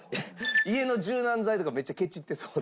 家の柔軟剤とかをめっちゃケチってそう。